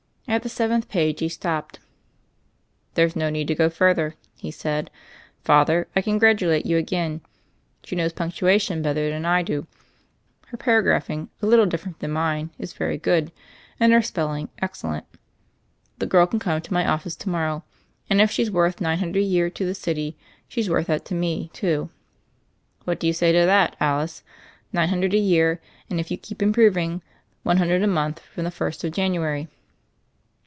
At the seventh page, he stopped. "There's no need to go further," he said. "Father, I congratulate you again. She knows punctuation better than I do ; her paragraphing, a little different from mine, is very good, and her spelling excellent. The girl can come to my office to morrow; and if she's worth nine hundred a year to the city, she's worth that to me, too. What do you say to that, Alice ? Nine hundred a year, and, if you keep improving, one hundred a month from the first of Jan uary